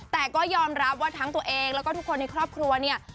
แต่ก็ยอมรับว่าทั้งตัวเองแล้วก็ทุกคนในครอบครัวเนี่ย